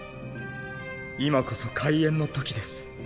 今こそ開演の時です。